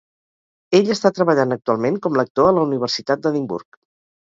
Ell està treballant actualment com lector a la Universitat d'Edimburg.